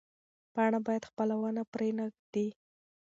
پاڼه باید خپله ونه پرې نه ږدي.